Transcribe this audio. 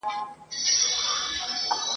ښوونځي د پوهي او روڼا ځايونه دي.